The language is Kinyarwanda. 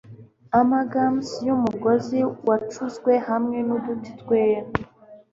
amalgams yumugozi wacuzwe hamwe nuduti twera